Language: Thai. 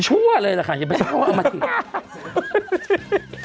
ชั่วเลยแหละค่ะอย่าไปเช่าเอามาถึง